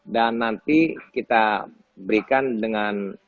dan nanti kita berikan dengan